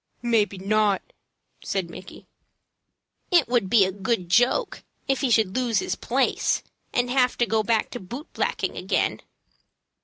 "Maybe not," said Mickey. "It would be a good joke if he should lose his place and have to go back to boot blacking again."